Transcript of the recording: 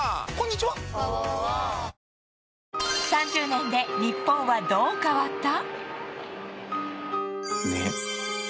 ３０年で日本はどう変わった？